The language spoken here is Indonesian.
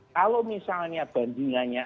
kalau misalnya bandingannya